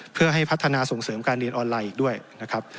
เพื่อให้พัฒนาส่งเสริมการเรียนออนไลน์อีกด้วยนะครับ